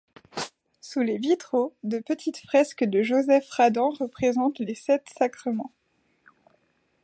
Sous les vitraux, de petites fresques de Joseph Radan représentent les sept sacrements.